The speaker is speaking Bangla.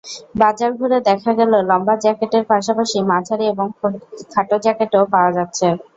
বাজার ঘুরে দেখা গেল, লম্বা জ্যাকেটের পাশাপাশি মাঝারি এবং খাটো জ্যাকেটও পাওয়া যাচ্ছে।